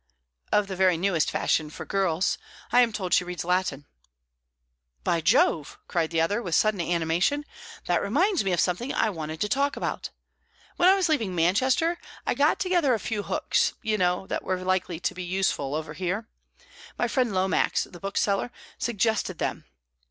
"Of the very newest fashion for girls. I am told she reads Latin." "By Jove!" cried the other, with sudden animation. "That reminds me of something I wanted to talk about. When I was leaving Manchester, I got together a few books, you know, that were likely to be useful over here. My friend Lomax, the bookseller, suggested them.